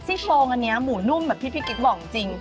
โชงอันนี้หมูนุ่มแบบที่พี่กิ๊กบอกจริง